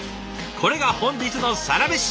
これが本日のサラメシ。